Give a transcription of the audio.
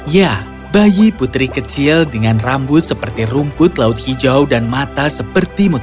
ya bayi putri kecil dengan rambut seperti rumput laut hijau dan mata seperti mutiara